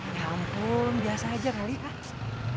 ya ampun biasa aja kali ya kak